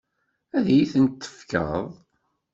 Ad iyi-tent-tefkeḍ?